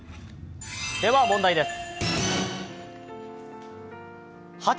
では、問題です。